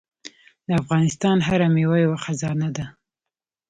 د افغانستان هره میوه یوه خزانه ده.